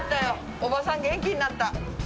おばさん元気になった。